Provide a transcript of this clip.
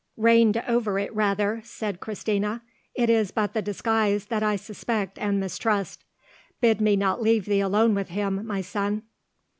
"Reigned over it, rather," said Christina. "It is but the disguise that I suspect and mistrust. Bid me not leave thee alone with him, my son."